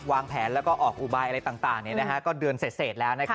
วางแผนแล้วก็ออกอุบายอะไรต่างต่างเนี้ยนะฮะก็เดือนเสร็จเสร็จแล้วนะครับ